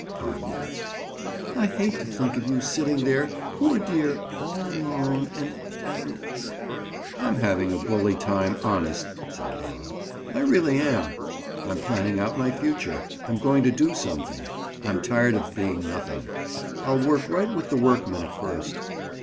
Bob winced. "I hate to think of you sitting there, poor dear, all alone, and—and—" "I'm having a bully time—honest," said Bob. "I really am. I'm planning out my future. I'm going to do something. I'm tired of being nothing. I'll work right with the workmen at first."